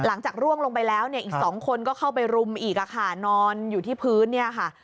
ร่วงลงไปแล้วเนี่ยอีกสองคนก็เข้าไปรุมอีกค่ะนอนอยู่ที่พื้นเนี่ยค่ะ